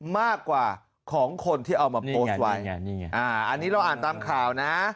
มากกว่าของคนที่เอามาโพสต์ไว้อันนี้เราอ่านตามข่าวนะ